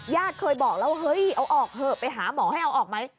เคยบอกแล้วเฮ้ยเอาออกเถอะไปหาหมอให้เอาออกไหม